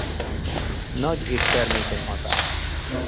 Nagy és termékeny határ.